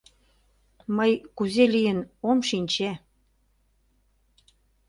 — Мый, кузе лийын, ом шинче...